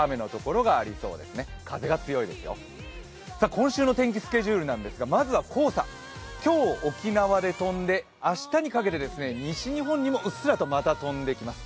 今週の天気スケジュールなんですがまずは黄砂、今日、沖縄で飛んで明日にかけて西日本にもうっすらとまた飛んできます。